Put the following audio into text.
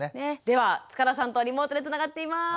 では塚田さんとリモートでつながっています。